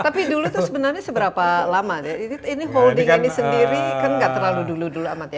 tapi dulu itu sebenarnya seberapa lama ini holding ini sendiri kan nggak terlalu dulu dulu amat ya